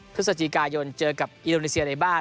พฤศจิกายนเจอกับอินโดนีเซียในบ้าน